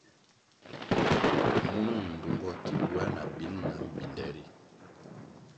Munung ndtungo ki buéah na bil nam binde ri.